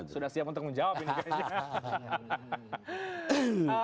sudah siap untuk menjawab ini